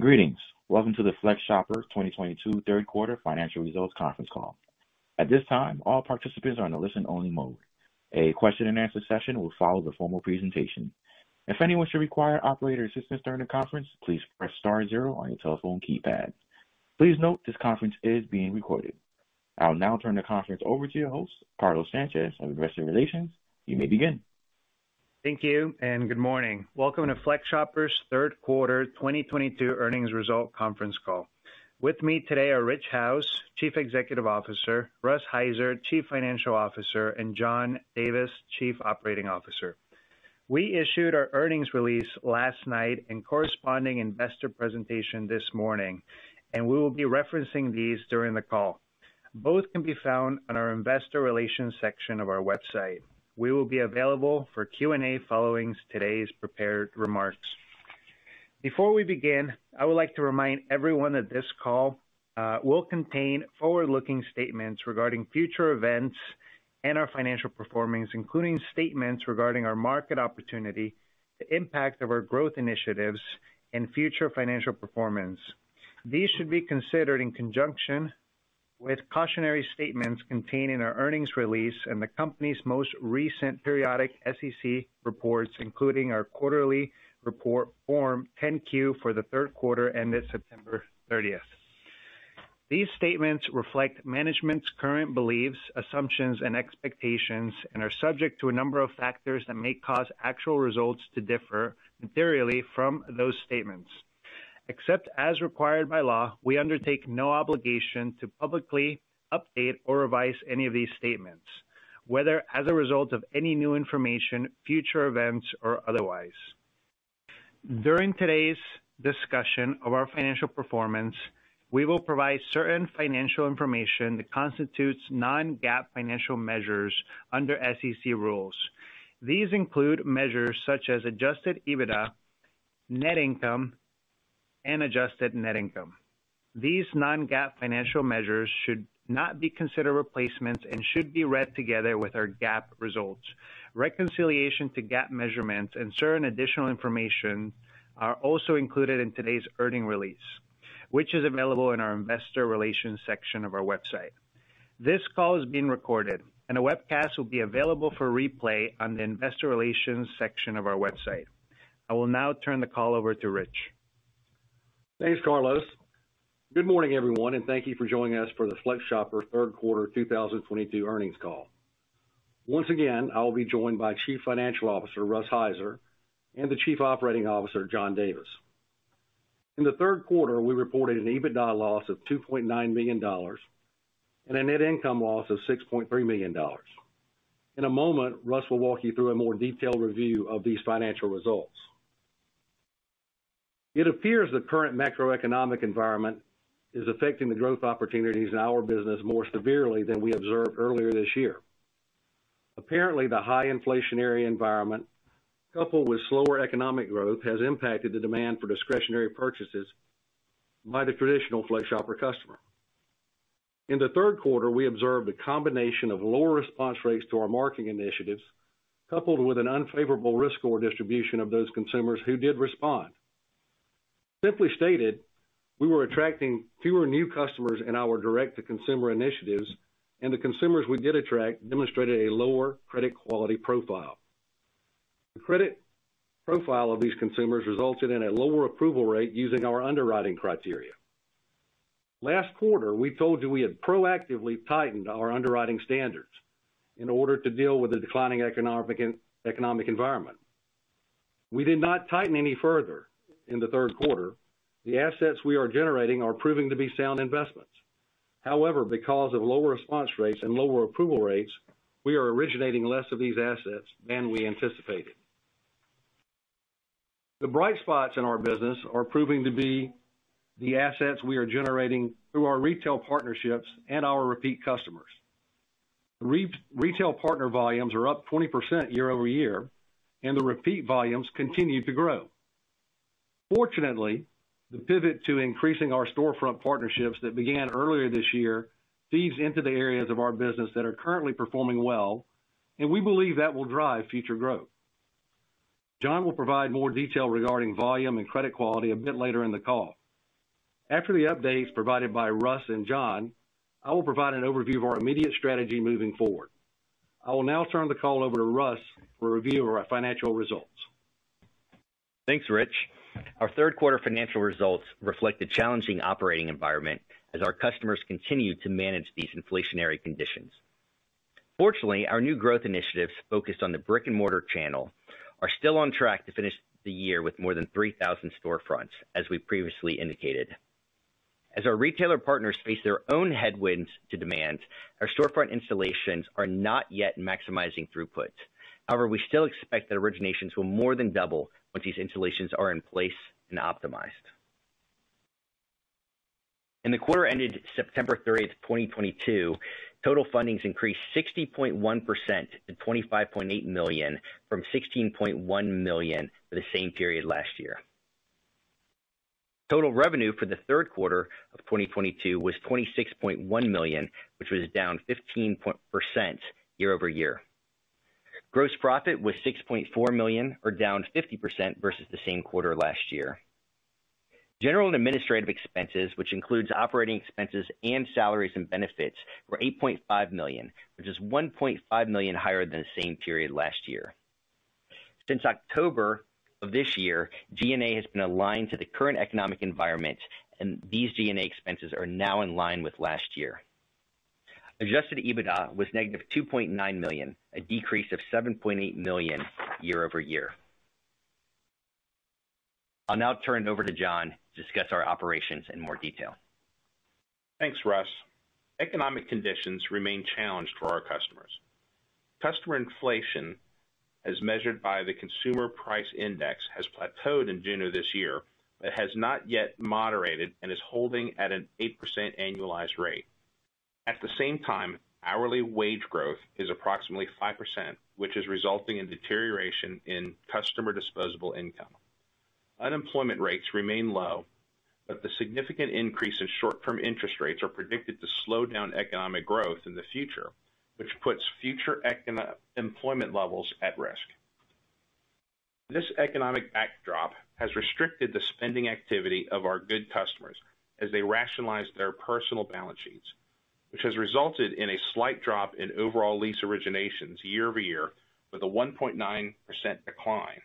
Greetings. Welcome to the FlexShopper 2022 third quarter financial results conference call. At this time, all participants are in a listen-only mode. A question and answer session will follow the formal presentation. If anyone should require operator assistance during the conference, please press star zero on your telephone keypad. Please note, this conference is being recorded. I will now turn the conference over to your host, Carlos Sanchez of Investor Relations. You may begin. Thank you and good morning. Welcome to FlexShopper's third quarter 2022 earnings results conference call. With me today are Rich House, Chief Executive Officer; Russ Heiser, Chief Financial Officer; and John Davis, Chief Operating Officer. We issued our earnings release last night and corresponding investor presentation this morning, and we will be referencing these during the call. Both can be found on our Investor Relations section of our website. We will be available for Q&A following today's prepared remarks. Before we begin, I would like to remind everyone that this call will contain forward-looking statements regarding future events and our financial performance, including statements regarding our market opportunity, the impact of our growth initiatives, and future financial performance. These should be considered in conjunction with cautionary statements contained in our earnings release and the company's most recent periodic SEC reports, including our quarterly report Form 10-Q for the third quarter ended September 30th. These statements reflect management's current beliefs, assumptions, and expectations and are subject to a number of factors that may cause actual results to differ materially from those statements. Except as required by law, we undertake no obligation to publicly update or revise any of these statements, whether as a result of any new information, future events, or otherwise. During today's discussion of our financial performance, we will provide certain financial information that constitutes non-GAAP financial measures under SEC rules. These include measures such as Adjusted EBITDA, net income, and adjusted net income. These non-GAAP financial measures should not be considered replacements and should be read together with our GAAP results. Reconciliation to GAAP measurements and certain additional information are also included in today's earnings release, which is available in our Investor Relations section of our website. This call is being recorded and a webcast will be available for replay on the Investor Relations section of our website. I will now turn the call over to Rich House. Thanks, Carlos. Good morning, everyone, and thank you for joining us for the FlexShopper third quarter 2022 earnings call. Once again, I will be joined by Chief Financial Officer Russ Heiser and the Chief Operating Officer John Davis. In the third quarter, we reported an EBITDA loss of $2.9 million and a net income loss of $6.3 million. In a moment, Russ will walk you through a more detailed review of these financial results. It appears the current macroeconomic environment is affecting the growth opportunities in our business more severely than we observed earlier this year. Apparently, the high inflationary environment, coupled with slower economic growth, has impacted the demand for discretionary purchases by the traditional FlexShopper customer. In the third quarter, we observed a combination of lower response rates to our marketing initiatives, coupled with an unfavorable risk score distribution of those consumers who did respond. Simply stated, we were attracting fewer new customers in our direct-to-consumer initiatives, and the consumers we did attract demonstrated a lower credit quality profile. The credit profile of these consumers resulted in a lower approval rate using our underwriting criteria. Last quarter, we told you we had proactively tightened our underwriting standards in order to deal with the declining economic environment. We did not tighten any further in the third quarter. The assets we are generating are proving to be sound investments. However, because of lower response rates and lower approval rates, we are originating less of these assets than we anticipated. The bright spots in our business are proving to be the assets we are generating through our retail partnerships and our repeat customers. Retail partner volumes are up 20% year-over-year, and the repeat volumes continue to grow. Fortunately, the pivot to increasing our storefront partnerships that began earlier this year feeds into the areas of our business that are currently performing well, and we believe that will drive future growth. John will provide more detail regarding volume and credit quality a bit later in the call. After the updates provided by Russ and John, I will provide an overview of our immediate strategy moving forward. I will now turn the call over to Russ for a review of our financial results. Thanks, Rich. Our third quarter financial results reflect the challenging operating environment as our customers continue to manage these inflationary conditions. Fortunately, our new growth initiatives focused on the brick-and-mortar channel are still on track to finish the year with more than 3,000 storefronts, as we previously indicated. As our retailer partners face their own headwinds to demand, our storefront installations are not yet maximizing throughput. However, we still expect that originations will more than double once these installations are in place and optimized. In the quarter ended September 30th, 2022, total fundings increased 60.1% to $25.8 million from $16.1 million for the same period last year. Total revenue for the third quarter of 2022 was $26.1 million, which was down 15% year-over-year. Gross profit was $6.4 million, or down 50% versus the same quarter last year. General and administrative expenses, which includes operating expenses and salaries and benefits, were $8.5 million, which is $1.5 million higher than the same period last year. Since October of this year, G&A has been aligned to the current economic environment, and these G&A expenses are now in line with last year. Adjusted EBITDA was $-2.9 million, a decrease of $7.8 million year-over-year. I'll now turn it over to John to discuss our operations in more detail. Thanks, Russ. Economic conditions remain challenged for our customers. Customer inflation, as measured by the Consumer Price Index, has plateaued in June of this year, but has not yet moderated and is holding at an 8% annualized rate. At the same time, hourly wage growth is approximately 5%, which is resulting in deterioration in customer disposable income. Unemployment rates remain low, but the significant increase in short-term interest rates are predicted to slow down economic growth in the future, which puts future employment levels at risk. This economic backdrop has restricted the spending activity of our good customers as they rationalize their personal balance sheets, which has resulted in a slight drop in overall lease originations year-over-year with a 1.9% decline.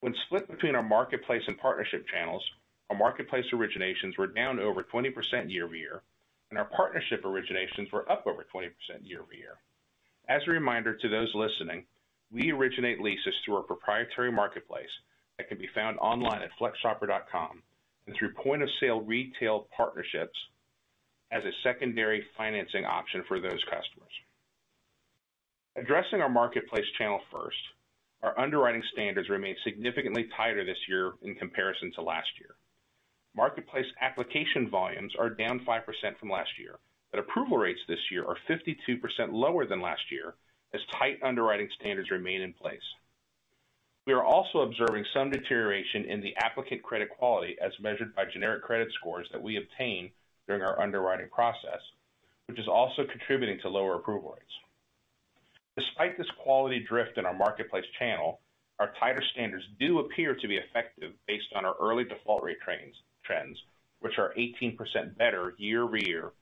When split between our marketplace and partnership channels, our marketplace originations were down over 20% year-over-year, and our partnership originations were up over 20% year-over-year. As a reminder to those listening, we originate leases through our proprietary marketplace that can be found online at FlexShopper.com and through point-of-sale retail partnerships as a secondary financing option for those customers. Addressing our marketplace channel first, our underwriting standards remain significantly tighter this year in comparison to last year. Marketplace application volumes are down 5% from last year, but approval rates this year are 52% lower than last year as tight underwriting standards remain in place. We are also observing some deterioration in the applicant credit quality as measured by generic credit scores that we obtain during our underwriting process, which is also contributing to lower approval rates. Despite this quality drift in our marketplace channel, our tighter standards do appear to be effective based on our early default rate trends, which are 18% better year-over-year,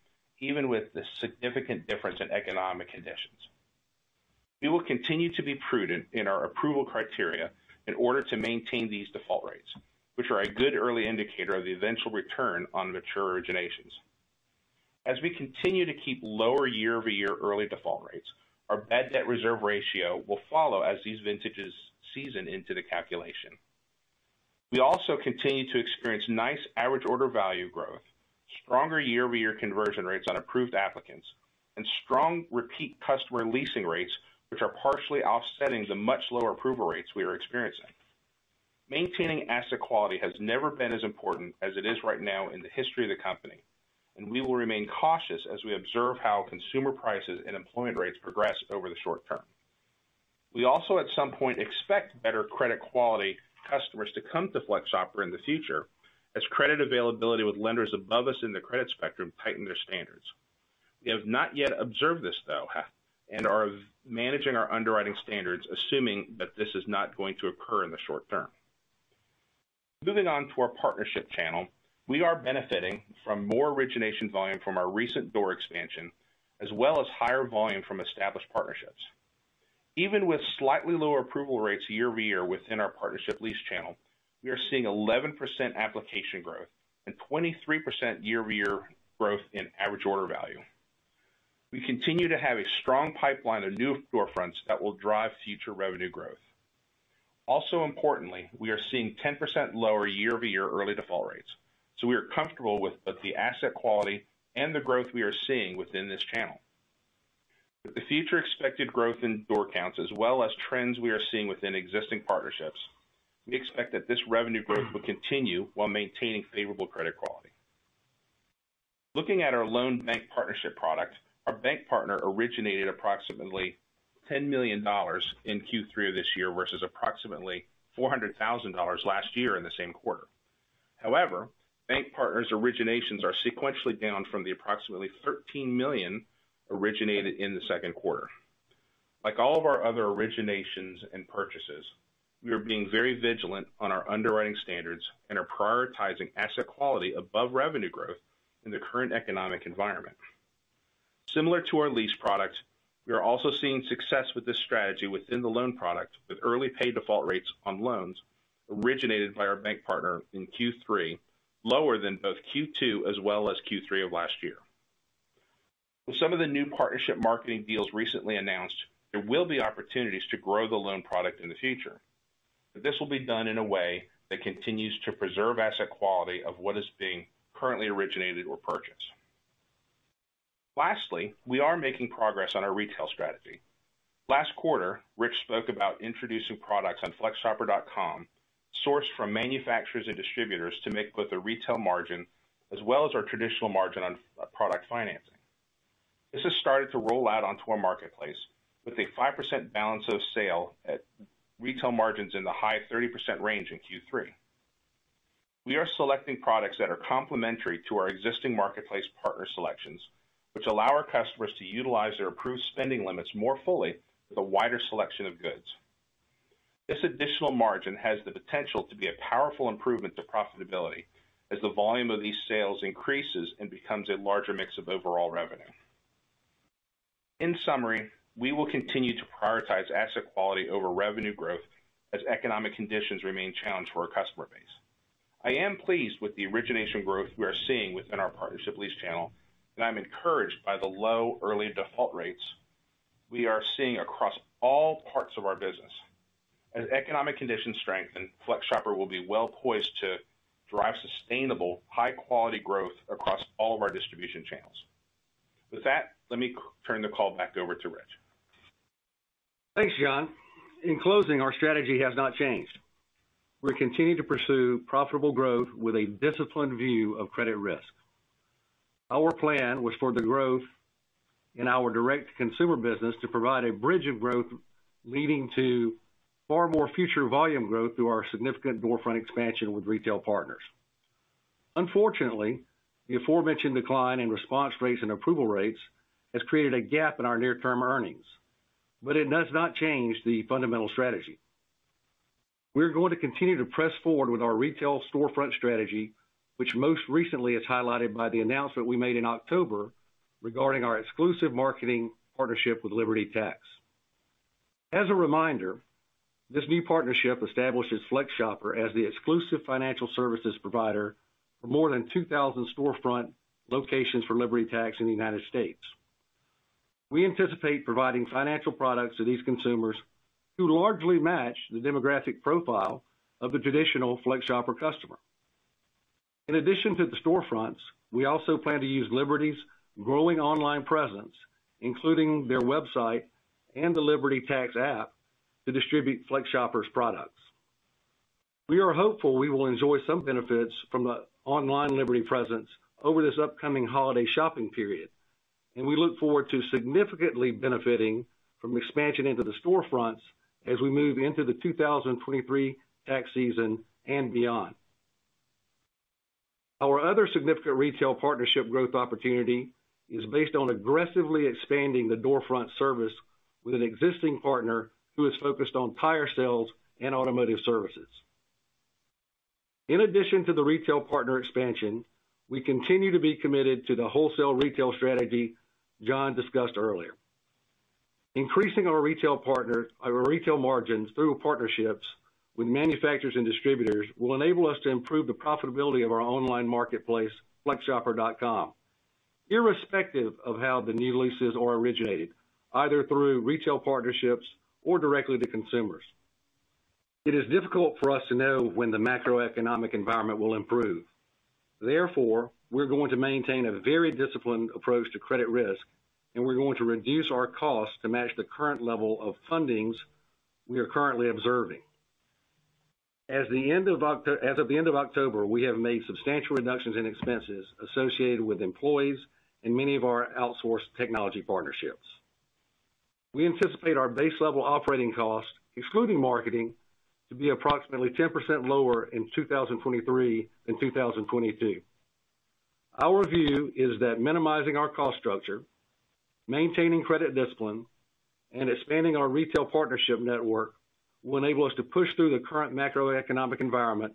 even with the significant difference in economic conditions. We will continue to be prudent in our approval criteria in order to maintain these default rates, which are a good early indicator of the eventual return on mature originations. As we continue to keep lower year-over-year early default rates, our bad debt reserve ratio will follow as these vintages season into the calculation. We also continue to experience nice average order value growth, stronger year-over-year conversion rates on approved applicants, and strong repeat customer leasing rates, which are partially offsetting the much lower approval rates we are experiencing. Maintaining asset quality has never been as important as it is right now in the history of the company, and we will remain cautious as we observe how consumer prices and employment rates progress over the short term. We also, at some point, expect better credit quality customers to come to FlexShopper in the future as credit availability with lenders above us in the credit spectrum tighten their standards. We have not yet observed this though, and are managing our underwriting standards, assuming that this is not going to occur in the short term. Moving on to our partnership channel. We are benefiting from more origination volume from our recent door expansion, as well as higher volume from established partnerships. Even with slightly lower approval rates year-over-year within our partnership lease channel, we are seeing 11% application growth and 23% year-over-year growth in average order value. We continue to have a strong pipeline of new storefronts that will drive future revenue growth. Also importantly, we are seeing 10% lower year-over-year early default rates, so we are comfortable with both the asset quality and the growth we are seeing within this channel. With the future expected growth in door counts as well as trends we are seeing within existing partnerships, we expect that this revenue growth will continue while maintaining favorable credit quality. Looking at our loan bank partnership product, our bank partner originated approximately $10 million in Q3 of this year versus approximately $400,000 last year in the same quarter. However, bank partners' originations are sequentially down from the approximately $13 million originated in the second quarter. Like all of our other originations and purchases, we are being very vigilant on our underwriting standards and are prioritizing asset quality above revenue growth in the current economic environment. Similar to our lease product, we are also seeing success with this strategy within the loan product, with early paid default rates on loans originated by our bank partner in Q3 lower than both Q2 as well as Q3 of last year. With some of the new partnership marketing deals recently announced, there will be opportunities to grow the loan product in the future. This will be done in a way that continues to preserve asset quality of what is being currently originated or purchased. Lastly, we are making progress on our retail strategy. Last quarter, Rich spoke about introducing products on FlexShopper.com sourced from manufacturers and distributors to make with a retail margin as well as our traditional margin on product financing. This has started to roll out onto our marketplace with a 5% balance of sale at retail margins in the high 30% range in Q3. We are selecting products that are complementary to our existing marketplace partner selections, which allow our customers to utilize their approved spending limits more fully with a wider selection of goods. This additional margin has the potential to be a powerful improvement to profitability as the volume of these sales increases and becomes a larger mix of overall revenue. In summary, we will continue to prioritize asset quality over revenue growth as economic conditions remain challenged for our customer base. I am pleased with the origination growth we are seeing within our partnership lease channel, and I'm encouraged by the low early default rates we are seeing across all parts of our business. As economic conditions strengthen, FlexShopper will be well-poised to drive sustainable, high-quality growth across all of our distribution channels. With that, let me turn the call back over to Rich. Thanks, John. In closing, our strategy has not changed. We continue to pursue profitable growth with a disciplined view of credit risk. Our plan was for the growth in our direct-to-consumer business to provide a bridge of growth leading to far more future volume growth through our significant storefront expansion with retail partners. Unfortunately, the aforementioned decline in response rates and approval rates has created a gap in our near-term earnings, but it does not change the fundamental strategy. We're going to continue to press forward with our retail storefront strategy, which most recently is highlighted by the announcement we made in October regarding our exclusive marketing partnership with Liberty Tax. As a reminder, this new partnership establishes FlexShopper as the exclusive financial services provider for more than 2,000 storefront locations for Liberty Tax in the United States. We anticipate providing financial products to these consumers who largely match the demographic profile of the traditional FlexShopper customer. In addition to the storefronts, we also plan to use Liberty's growing online presence, including their website and the Liberty Tax app, to distribute FlexShopper's products. We are hopeful we will enjoy some benefits from the online Liberty presence over this upcoming holiday shopping period, and we look forward to significantly benefiting from expansion into the storefronts as we move into the 2023 tax season and beyond. Our other significant retail partnership growth opportunity is based on aggressively expanding the storefront service with an existing partner who is focused on tire sales and automotive services. In addition to the retail partner expansion, we continue to be committed to the wholesale retail strategy John discussed earlier. Increasing our retail margins through partnerships with manufacturers and distributors will enable us to improve the profitability of our online marketplace, FlexShopper.com, irrespective of how the new leases are originated, either through retail partnerships or directly to consumers. It is difficult for us to know when the macroeconomic environment will improve. Therefore, we're going to maintain a very disciplined approach to credit risk, and we're going to reduce our costs to match the current level of fundings we are currently observing. As of the end of October, we have made substantial reductions in expenses associated with employees and many of our outsourced technology partnerships. We anticipate our base-level operating costs, excluding marketing, to be approximately 10% lower in 2023 than 2022. Our view is that minimizing our cost structure, maintaining credit discipline, and expanding our retail partnership network will enable us to push through the current macroeconomic environment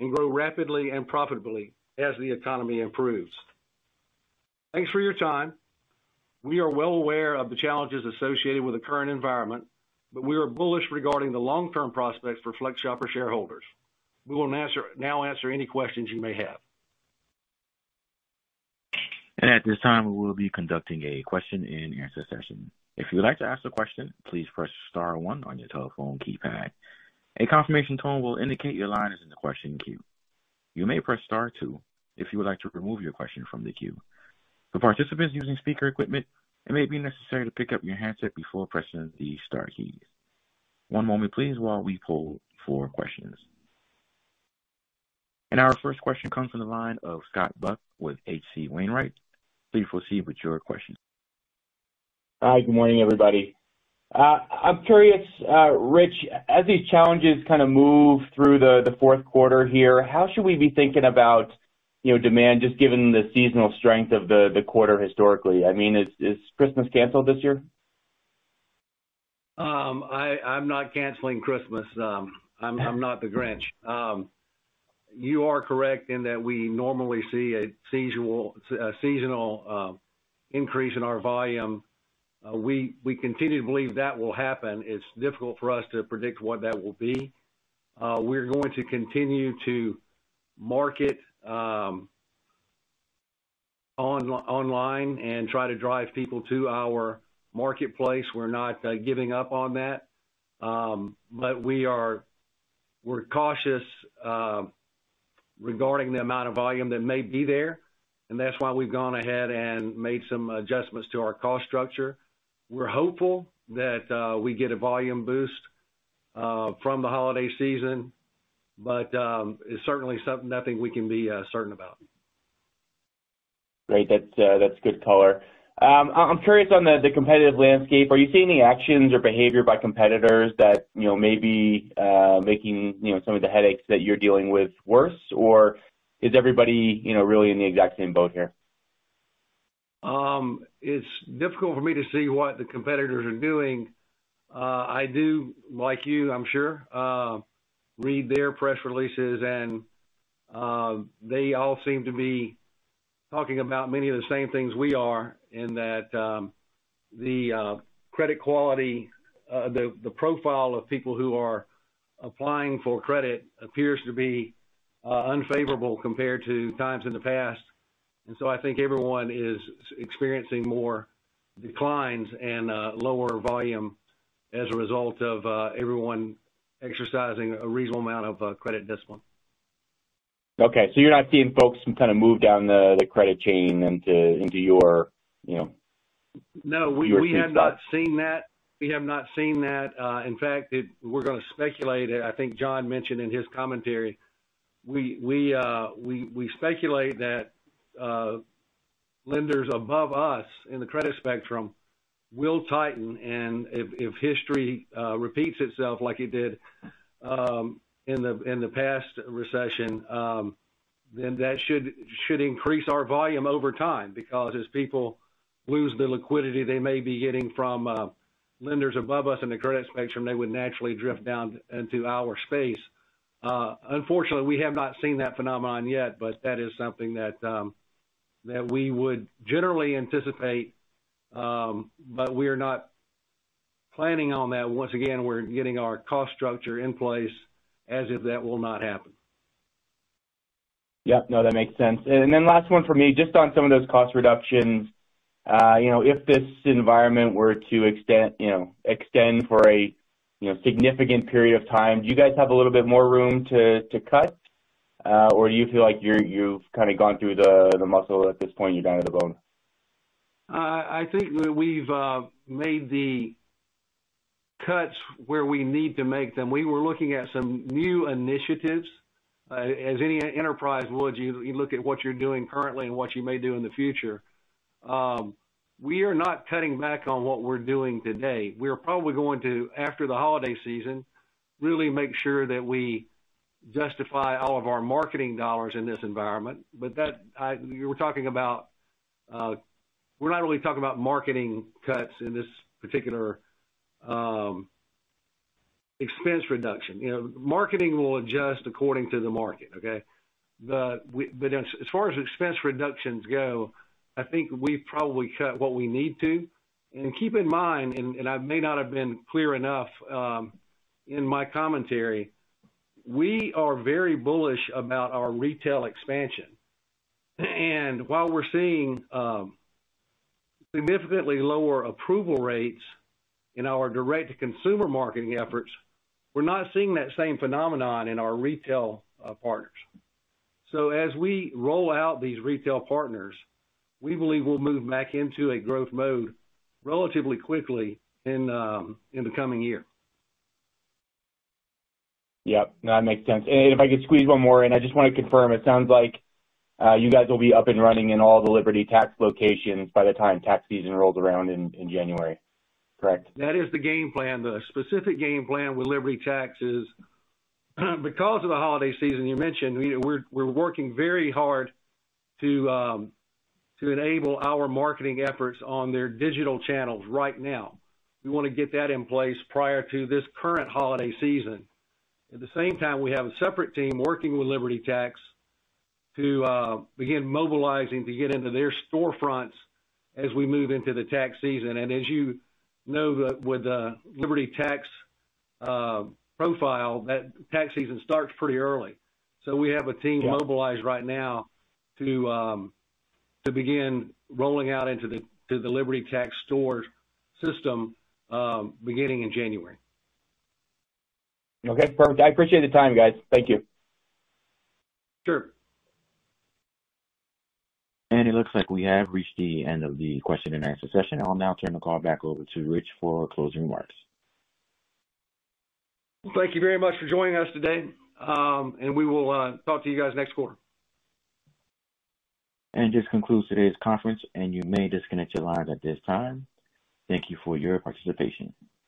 and grow rapidly and profitably as the economy improves. Thanks for your time. We are well aware of the challenges associated with the current environment, but we are bullish regarding the long-term prospects for FlexShopper shareholders. We will answer any questions you may have. At this time, we will be conducting a question-and-answer session. If you would like to ask a question, please press star one on your telephone keypad. A confirmation tone will indicate your line is in the question queue. You may press star two if you would like to remove your question from the queue. For participants using speaker equipment, it may be necessary to pick up your handset before pressing the star key. One moment please while we poll for questions. Our first question comes from the line of Scott Buck with H.C. Wainwright. Please proceed with your question. Hi. Good morning, everybody. I'm curious, Rich, as these challenges kind of move through the fourth quarter here, how should we be thinking about, you know, demand, just given the seasonal strength of the quarter historically? I mean, is Christmas canceled this year? I'm not canceling Christmas. I'm not the Grinch. You are correct in that we normally see a seasonal increase in our volume. We continue to believe that will happen. It's difficult for us to predict what that will be. We're going to continue to market online and try to drive people to our marketplace. We're not giving up on that. We're cautious regarding the amount of volume that may be there, and that's why we've gone ahead and made some adjustments to our cost structure. We're hopeful that we get a volume boost from the holiday season. It's certainly nothing we can be certain about. Great. That's good color. I'm curious about the competitive landscape, are you seeing any actions or behavior by competitors that, you know, may be making, you know, some of the headaches that you're dealing with worse? Or is everybody, you know, really in the exact same boat here? It's difficult for me to see what the competitors are doing. I do, like you, I'm sure, read their press releases, and they all seem to be talking about many of the same things we are in that the credit quality, the profile of people who are applying for credit appears to be unfavorable compared to times in the past. I think everyone is experiencing more declines and lower volume as a result of everyone exercising a reasonable amount of credit discipline. Okay, you're not seeing folks kind of move down the credit chain into your, you know. No, we have not seen that. In fact, we're gonna speculate. I think John mentioned in his commentary, we speculate that lenders above us in the credit spectrum will tighten. If history repeats itself like it did in the past recession, then that should increase our volume over time because as people lose the liquidity they may be getting from lenders above us in the credit spectrum, they would naturally drift down into our space. Unfortunately, we have not seen that phenomenon yet, but that is something that we would generally anticipate, but we are not planning on that. Once again, we're getting our cost structure in place as if that will not happen. Yep. No, that makes sense. Last one for me, just on some of those cost reductions. You know, if this environment were to extend for a you know, significant period of time, do you guys have a little bit more room to cut? Or do you feel like you've kind of gone through the muscle at this point, you're down to the bone? I think that we've made the cuts where we need to make them. We were looking at some new initiatives, as any enterprise would, you look at what you're doing currently and what you may do in the future. We are not cutting back on what we're doing today. We're probably going to, after the holiday season, really make sure that we justify all of our marketing dollars in this environment. We were talking about, we're not really talking about marketing cuts in this particular expense reduction. You know, marketing will adjust according to the market, okay? As far as expense reductions go, I think we've probably cut what we need to. Keep in mind, I may not have been clear enough in my commentary. We are very bullish about our retail expansion. While we're seeing significantly lower approval rates in our direct-to-consumer marketing efforts, we're not seeing that same phenomenon in our retail partners. As we roll out these retail partners, we believe we'll move back into a growth mode relatively quickly in the coming year. Yep. No, that makes sense. If I could squeeze one more in. I just wanna confirm, it sounds like, you guys will be up and running in all the Liberty Tax locations by the time tax season rolls around in January, correct? That is the game plan. The specific game plan with Liberty Tax is, because of the holiday season you mentioned, we're working very hard to enable our marketing efforts on their digital channels right now. We wanna get that in place prior to this current holiday season. At the same time, we have a separate team working with Liberty Tax to begin mobilizing to get into their storefronts as we move into the tax season. As you know, with the Liberty Tax profile, that tax season starts pretty early. We have a team mobilized right now to begin rolling out into the Liberty Tax store system beginning in January. Okay, perfect. I appreciate the time, guys. Thank you. Sure. It looks like we have reached the end of the question and answer session. I'll now turn the call back over to Rich House for closing remarks. Thank you very much for joining us today. We will talk to you guys next quarter. This concludes today's conference, and you may disconnect your lines at this time. Thank you for your participation.